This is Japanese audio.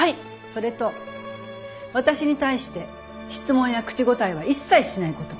それと私に対して質問や口答えは一切しないこと。